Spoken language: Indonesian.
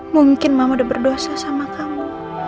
mungkin mama udah berdosa sama kamu